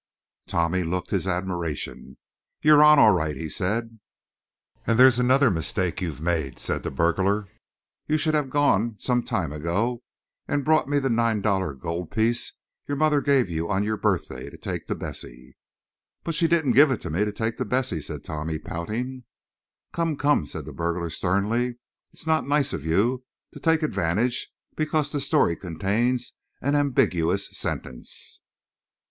Tommy looked his admiration. "You're on, all right," he said. "And there's another mistake you've made," said the burglar. "You should have gone some time ago and brought me the $9 gold piece your mother gave you on your birthday to take to Bessie." "But she didn't give it to me to take to Bessie," said Tommy, pouting. "Come, come!" said the burglar, sternly. "It's not nice of you to take advantage because the story contains an ambiguous sentence.